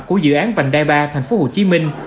của dự án vành đai ba thành phố hồ chí minh